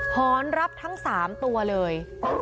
พรรณรับทั้งสามตัวเลย